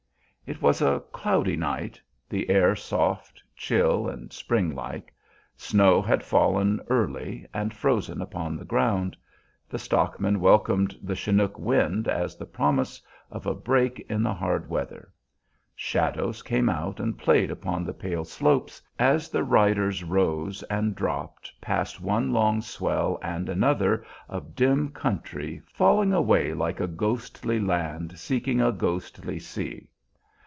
It was a cloudy night, the air soft, chill, and spring like. Snow had fallen early and frozen upon the ground; the stockmen welcomed the "chinook wind" as the promise of a break in the hard weather. Shadows came out and played upon the pale slopes, as the riders rose and dropped past one long swell and another of dim country falling away like a ghostly land seeking a ghostly sea.